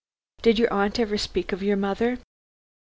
Did your aunt ever speak of your mother?"